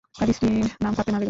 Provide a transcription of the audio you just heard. তার স্ত্রীর নাম ফাতেমা বেগম।